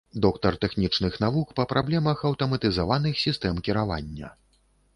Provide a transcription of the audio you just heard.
Доктар тэхнічных навук па праблемах аўтаматызаваных сістэм кіравання.